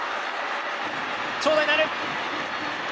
長打になる。